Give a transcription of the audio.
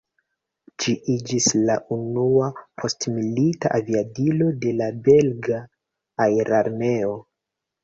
Ĝi iĝis la unua postmilita aviadilo de la belga aerarmeo.